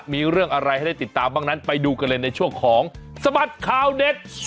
มีเรื่องอะไรให้ได้ติดตามบ้างนั้นไปดูกันเลยในช่วงของสบัดข่าวเด็ด